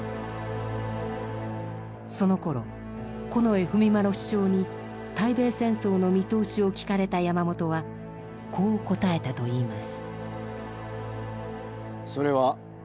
そのころ近衛文麿首相に対米戦争の見通しを聞かれた山本はこう答えたといいます。